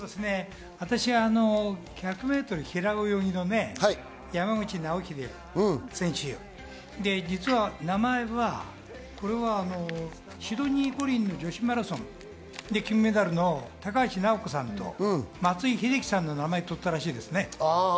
１００ｍ平泳ぎの山口尚秀選手、実は名前はシドニー五輪の女子マラソンで金メダルの高橋尚子さんと松井秀喜さんの名前を取ったらしいですね。